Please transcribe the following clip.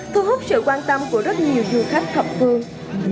thu hút sự quan tâm của rất nhiều du khách thập phương